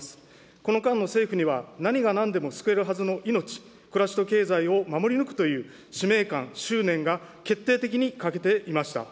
この間の政府には何がなんでも救えるはずの命、暮らしと経済を守り抜くという使命感、執念が決定的に欠けていました。